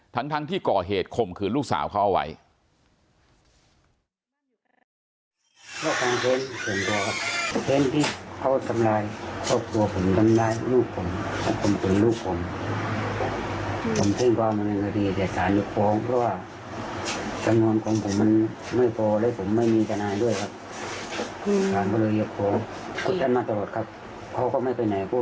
ทั้งที่ก่อเหตุข่มขืนลูกสาวเขาเอาไว้